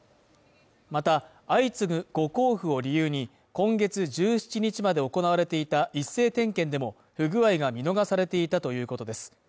また、相次ぐ誤交付を理由に今月１７日まで行われていた一斉点検でも不具合が見逃されていたということです。